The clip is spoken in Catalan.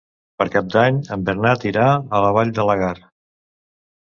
Per Cap d'Any en Bernat irà a la Vall de Laguar.